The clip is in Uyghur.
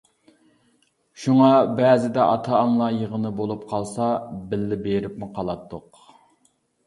شۇڭا بەزىدە ئاتا-ئانىلار يىغىنى بولۇپ قالسا بىللە بېرىپمۇ قالاتتۇق.